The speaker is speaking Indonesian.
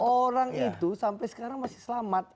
orang itu sampai sekarang masih selamat